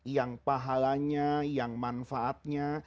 yang pahalanya yang manfaatnya